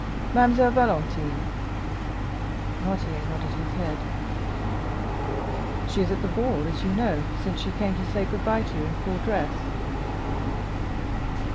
Barrois asked, "Mademoiselle Valentine?" Noirtier nodded his head. "She is at the ball, as you know, since she came to say good bye to you in full dress."